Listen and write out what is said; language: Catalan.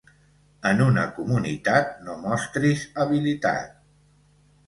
En una comunitat no mostris habilitat.